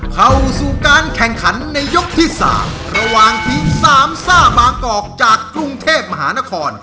เข้าสู่การแข่งขันในยกที่๓ระหว่างทีมสามซ่าบางกอกจากกรุงเทพมหานคร